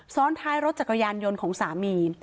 ซ้อนท้ายรถจักรยานยนต์ของสามี